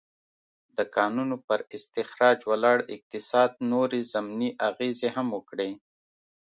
د کانونو پر استخراج ولاړ اقتصاد نورې ضمني اغېزې هم وکړې.